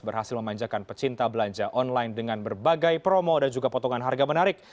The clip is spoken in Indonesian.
berhasil memanjakan pecinta belanja online dengan berbagai promo dan juga potongan harga menarik